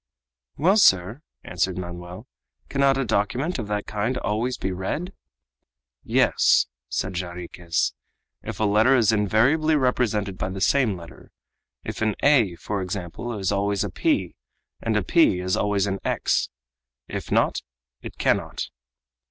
"Well, sir," answered Manoel, "cannot a document of that kind always be read?" "Yes," said Jarriquez, "if a letter is invariably represented by the same letter; if an a, for example, is always a p, and a p is always an x; if not, it cannot."